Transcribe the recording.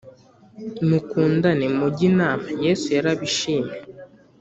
mukundane mujye inamayesu yarabashimye